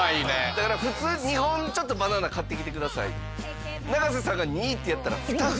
だから普通「２本ちょっとバナナ買ってきて下さい」。